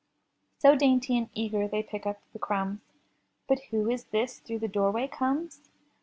So dainty and eager they pick up the crumbs. But who is this through the doorway comes?